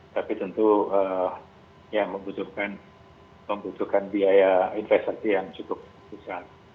tapi tentu ya membutuhkan biaya investasi yang cukup besar